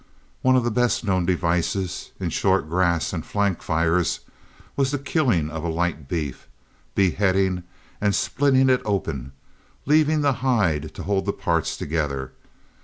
One of the best known devices, in short grass and flank fires, was the killing of a light beef, beheading and splitting it open, leaving the hide to hold the parts together.